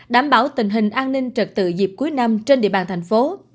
đảm bảo tình hình an ninh trật tự dịp cuối năm trên địa bàn thành phố